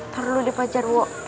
perlu diberi bantuan ya